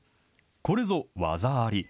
これぞ、技あり！